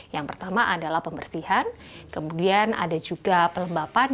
yang pertama adalah pembersihan kemudian ada juga pelembapan